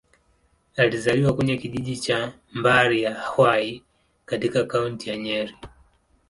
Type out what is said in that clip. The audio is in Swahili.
Alizaliwa kwenye kijiji cha Mbari-ya-Hwai, katika Kaunti ya Nyeri.